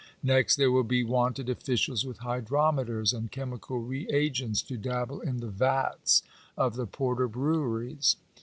Next there will be wanted officials with hydrometers and ohemical re agents, to dabble in the vats of the porter breweries.